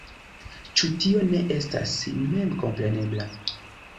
Ĉu tio ne estas memkomprenebla?